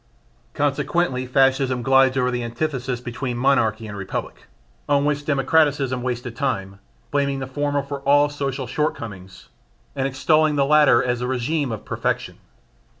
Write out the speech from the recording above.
Consequently, Fascism glides over the antithesis between monarchy and republic, on which democraticism wasted time, blaming the former for all social shortcomings and exalting the latter as a regime of perfection.